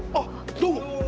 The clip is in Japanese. どうも。